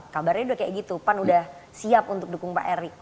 kabarnya udah kayak gitu pan udah siap untuk dukung pak erick